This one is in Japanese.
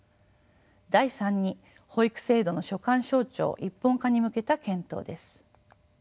第３に保育制度の所管省庁一本化に向けた検討です。